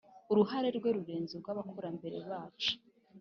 uruhare rwe rurenze urw’abakurambere bacu